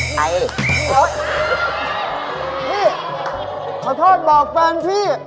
พี่ขอโทษบอกแฟนพี่